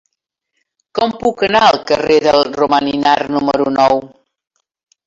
Com puc anar al carrer del Romaninar número nou?